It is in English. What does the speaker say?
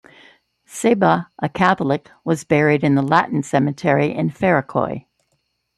Sebah, a Catholic, was buried in the Latin cemetery in Ferikoy.